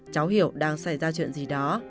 cháu hiểu đang xảy ra chuyện gì